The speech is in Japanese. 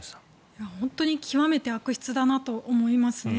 本当に極めて悪質だなと思いますね。